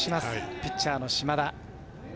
ピッチャーの島田。